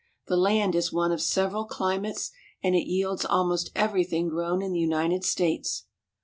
The land is one of several climates, and it yields almost everything grown in the United States.